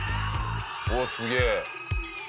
おおすげえ。